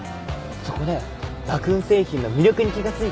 そこでラクーン製品の魅力に気が付いて。